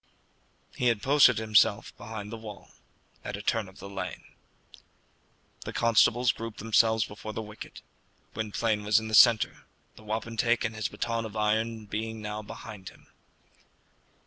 He had posted himself behind the wall at a turn of the lane. The constables grouped themselves before the wicket. Gwynplaine was in the centre, the wapentake and his baton of iron being now behind him.